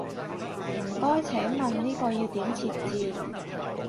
唔該，請問呢個要點設置？